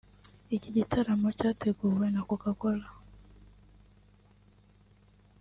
Iki gitaramo cyateguwe na Coca-Cola